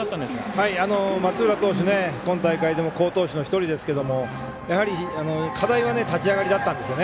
今大会でも好投手の１人ですがやはり、課題は立ち上がりだったんですよね。